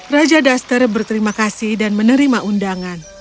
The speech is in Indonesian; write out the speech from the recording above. raja duster berterima kasih dan menerima undangan